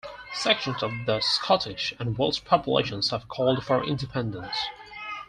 Sections of the Scottish and Welsh populations have called for independence.